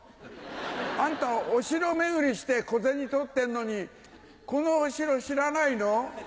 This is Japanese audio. あんたお城巡りして小銭取ってんのにこのお城知らないの？